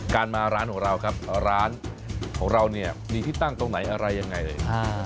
การมาร้านของเราครับร้านของเราเนี่ยมีที่ตั้งตรงไหนอะไรยังไงเลยนะ